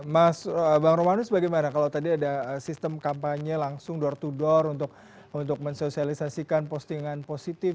mas bang romanus bagaimana kalau tadi ada sistem kampanye langsung door to door untuk mensosialisasikan postingan positif